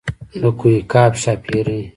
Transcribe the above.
د کوه قاف ښاپېرۍ.